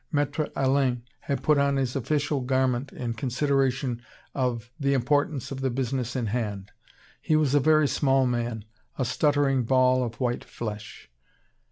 Maître Alain had put on his official garment in consideration of the importance of the business in hand. He was a very small man, a stuttering ball of white flesh.